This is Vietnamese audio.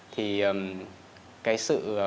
thì cái sự